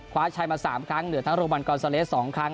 คว้าชัยมา๓ครั้งเหลือทั้งโรมันกอนซาเลส๒ครั้ง